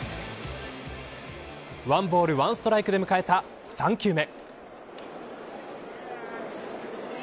１ボール１ストライクで迎えた３球目。